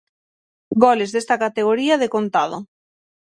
Goles desta categoría decontado.